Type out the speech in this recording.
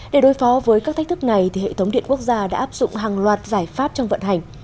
để đối phó với các thách thức này hệ thống điện quốc gia đã áp dụng hàng loạt giải pháp trong vận hành